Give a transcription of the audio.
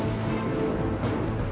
masih untung lo anaknya bang